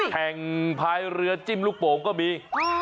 พายเรือจิ้มลูกโป่งก็มี